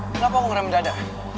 kenapa aku meram mendadak